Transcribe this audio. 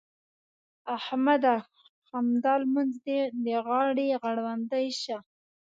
احمده! همدا لمونځ دې د غاړې غړوندی شه.